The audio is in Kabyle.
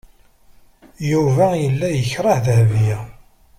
Yuba yella yekreh Dahbiya.